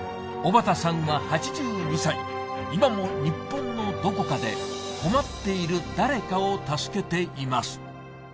尾畠さんは８２歳今も日本のどこかで困っている誰かを助けています